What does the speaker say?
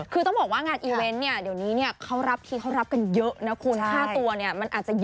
คือต้องบอกว่างานอีเวนท์เดี๋ยวนี้เขารับทีและเขารับการเยอะเนี่ยคุณ